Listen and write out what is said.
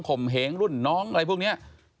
มเหงรุ่นน้องอะไรพวกนี้